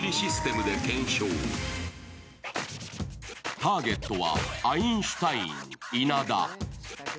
ターゲットはアインシュタイン稲田。